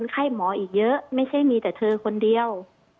ไข้หมออีกเยอะไม่ใช่มีแต่เธอคนเดียว